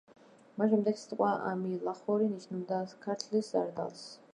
მას შემდეგ სიტყვა „ამილახორი“ ნიშნავდა ქართლის სარდალს.